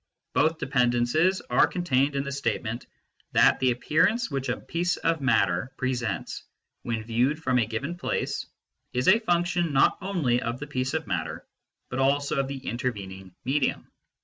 Both dependences are contained in the statement that the appearance which a piece of matter presents when viewed from a given place is a function not only of the piece of matter, but also of the. intervening medium.